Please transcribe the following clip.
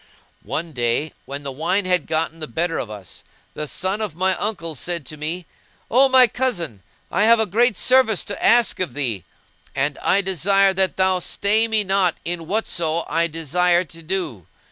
One day when the wine had gotten the better of us, the son of my uncle said to me, "O my cousin, I have a great service to ask of thee; and I desire that thou stay me not in whatso I desire to do!"